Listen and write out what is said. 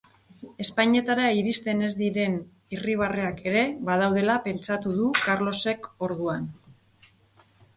Ezpainetara iristen ez diren irribarreak ere badaudela pentsatu du Karlosek orduan.